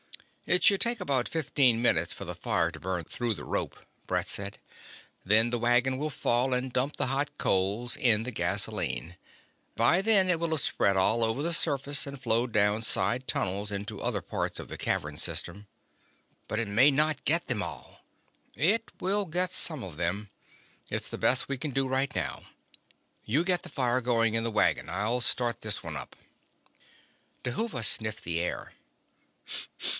"It should take about fifteen minutes for the fire to burn through the rope," Brett said. "Then the wagon will fall and dump the hot coals in the gasoline. By then it will have spread all over the surface and flowed down side tunnels into other parts of the cavern system." "But it may not get them all." "It will get some of them. It's the best we can do right now. You get the fire going in the wagon; I'll start this one up." Dhuva sniffed the air.